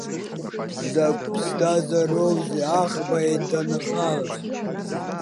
Закә ԥсҭазаароузеи аӷба еиҭанахалаз.